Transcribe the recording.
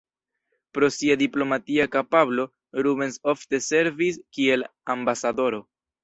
Pro sia diplomatia kapablo, Rubens ofte servis kiel ambasadoro.